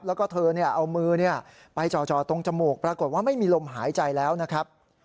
แล้วก็เธอเอามือไปจ่อตรงจมูกปรากฏว่าไม่มีลมหายใจแล้วนะครับ